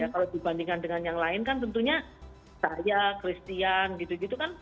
kalau dibandingkan dengan yang lain kan tentunya saya christian gitu gitu kan